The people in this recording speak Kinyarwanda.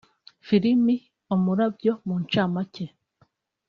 Film ‘Umurabyo’ mu ncamake